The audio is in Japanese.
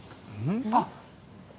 あっ。